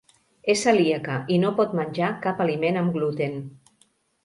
És celíaca i no pot menjar cap aliment amb gluten.